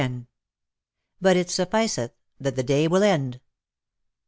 '^ BUT IT SUFFICETH, THAT THE DAY WILL END."